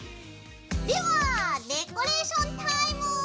ではデコレーションタイムー！